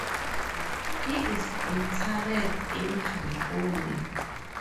He is interred in California.